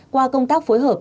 qua công tác phối hợp